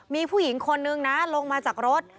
มีผู้หญิงคนนึงนะลงมาจากรถ